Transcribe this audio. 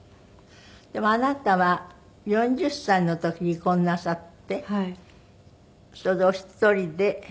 でもあなたは４０歳の時離婚なさってそれでお一人で子供を育てた。